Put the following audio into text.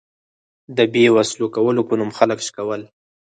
د بې وسلو کولو په نوم خلک شکول.